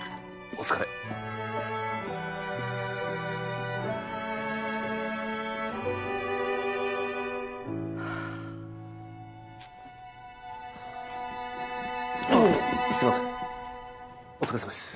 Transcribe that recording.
お疲れさまです。